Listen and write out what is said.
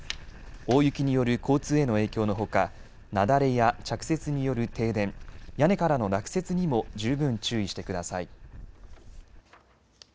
大雪による交通への影響のほか雪崩や着雪による停電、屋根からの落雪にも十分注意してください。